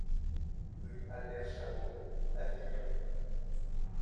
Rue Albert Chabaud, Avignon